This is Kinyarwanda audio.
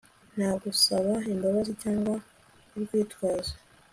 nta gusaba imbabazi cyangwa urwitwazo